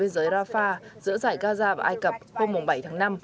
giữa giải gaza và ai cập hôm bảy tháng năm